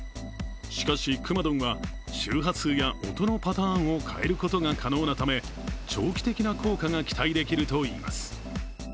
しかしくまドンは、周波数や音のパターンを変えることが可能なため長期的な効果が期待できるといいます。